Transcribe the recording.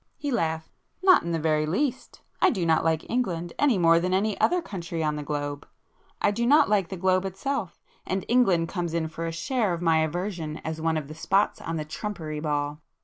He laughed. "Not in the very least! I do not like England any more than any other country on the globe. I do not like the globe itself; and England comes in for a share of my [p 251] aversion as one of the spots on the trumpery ball.